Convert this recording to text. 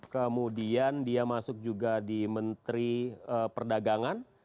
kemudian dia masuk juga di menteri perdagangan